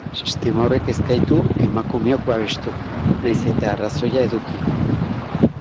Sistema horrek ez gaitu emakumeok babestu, nahiz eta arrazoia eduki.